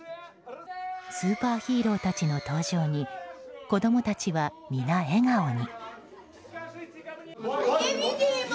スーパーヒーローたちの登場に子供たちは皆、笑顔に。